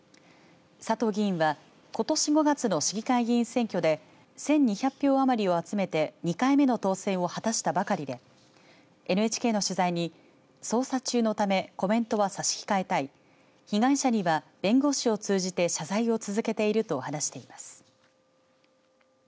佐藤議員はことし５月の市議会議員選挙で１２００票余りを集めて２回目の当選を果たしたばかりでＮＨＫの取材に、捜査中のためコメントは差し控えたい被害者には弁護士を通じて謝罪を続けていると話しています。